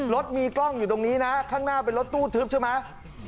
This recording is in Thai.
รถมีกล้องอยู่ตรงนี้ห้างหน้าลดตู้ทืบใช่ไหม